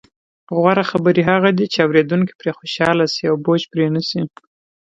غوره خبرې هغه دي، چې اوریدونکي پرې خوشحاله شي او بوج پرې نه شي.